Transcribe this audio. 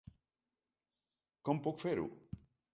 Com puc fer-ho?